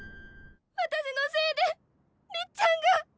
私のせいでりっちゃんが！